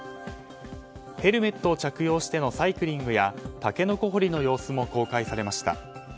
ヘルメットを着用してのサイクリングやタケノコ堀りの様子も公開されました。